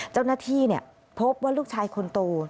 เจ้าหน้าที่พบว่าลูกชายคนโต